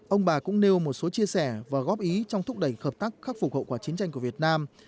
ông bà cũng nêu một số chia sẻ và góp ý trong thúc đẩy hợp tác khắc phục hậu quả chiến tranh của việt nam